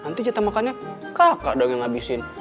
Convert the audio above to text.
nanti jatah makannya kakak doang yang ngabisin